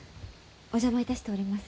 お邪魔いたしております。